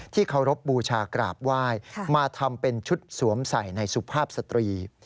เคารพบูชากราบไหว้มาทำเป็นชุดสวมใส่ในสุภาพสตรี